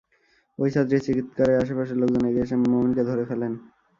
ওই ছাত্রীর চিৎকারে আশপাশের লোকজন এগিয়ে এসে মোমেনকে ধরে ফেলেন।